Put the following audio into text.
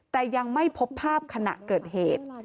แต่ยังไม่พบภาพขณะเกิดเหตุ